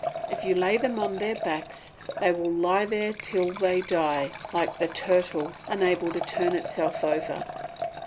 If you lay them on their backs, they will lie there till they die, like the turtle, unable to turn itself over.